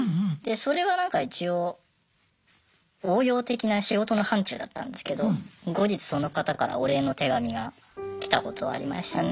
それはなんか一応応用的な仕事の範ちゅうだったんですけど後日その方からお礼の手紙が来たことはありましたね。